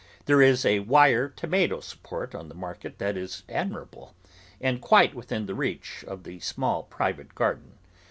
There is a wire tomato sup port on the market that is admirable and quite within the reach of the small private garden.